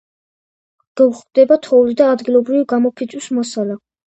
გვხვდება თოვლი და ადგილობრივი გამოფიტვის მასალა.